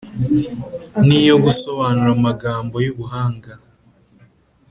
,Ni iyo gusobanura amagambo y’ubuhanga